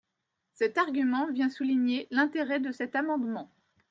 Cet argument vient souligner l’intérêt de cet amendement.